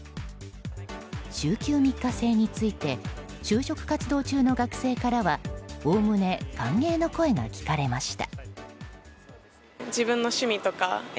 週休３日制について就職活動中の学生からはおおむね歓迎の声が聞かれました。